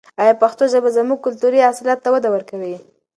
آیا پښتو ژبه زموږ کلتوري اصالت ته وده ورکوي؟